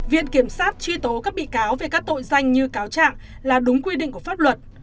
viện kiểm sát truy tố các bị cáo về các tội danh như cáo trạng là đúng quy định của pháp luật